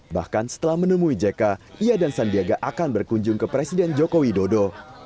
bahkan setelah menemui jk ia dan sandiaga akan berkunjung ke presiden joko widodo